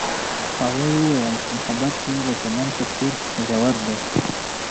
هغې وویل محبت یې د چمن په څېر ژور دی.